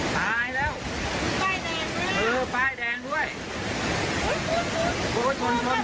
ตายแล้วป้ายแดงด้วยเออป้ายแดงด้วยโอ๊ยโอ๊ยโอ๊ยโอ๊ยโอ๊ย